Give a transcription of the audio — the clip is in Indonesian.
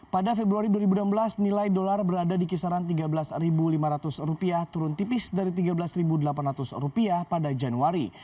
pada februari dua ribu enam belas nilai dolar berada di kisaran rp tiga belas lima ratus rupiah turun tipis dari rp tiga belas delapan ratus pada januari